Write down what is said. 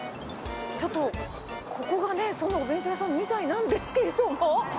ちょっと、ここがそのお弁当屋さんみたいなんですけれども。